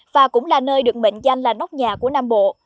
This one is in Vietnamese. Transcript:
và cũng là nơi được mệnh danh là nóc nhà của nam bộ